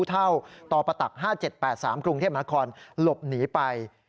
ตปต๕๗๘๓กรุงเทพมหาคลหลบหนีไป